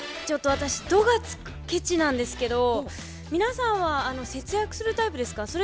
ちょっと私「ど」がつくケチなんですけど皆さんは節約するタイプですか？